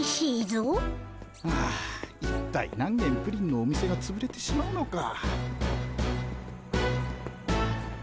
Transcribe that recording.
ああ一体何げんプリンのお店がつぶれてしまうのか。